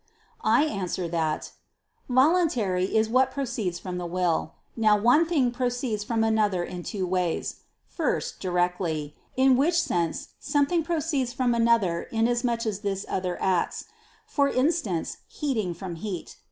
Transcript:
I answer that, Voluntary is what proceeds from the will. Now one thing proceeds from another in two ways. First, directly; in which sense something proceeds from another inasmuch as this other acts; for instance, heating from heat.